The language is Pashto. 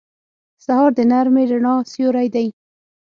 سهار د نرمې رڼا سیوری دی.